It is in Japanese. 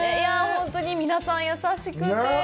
本当に皆さん、優しくて。